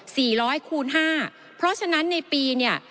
ร้อยคูณห้าเพราะฉะนั้นในปีเนี่ย